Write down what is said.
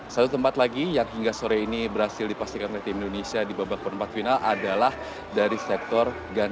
satu tempat lagi yang hingga sore ini berhasil dipastikan oleh tim indonesia di babak perempat final adalah dari sektor ganda